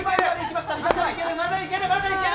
まだいける、まだいける。